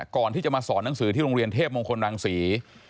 ก่อนที่จะมาสอนหนังสือที่โรงเรียนเทพมงคลรังศรี